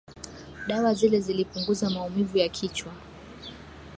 Dawa zile zilipunguza maumivu ya kichwa